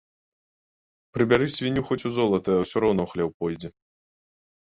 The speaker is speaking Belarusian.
Прыбяры свінню хоць у золата ‒ усё роўна ў хлеў пойдзе